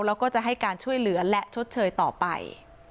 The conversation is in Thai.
แล้วก็จะให้การช่วยเหลือและชดเชยต่อไป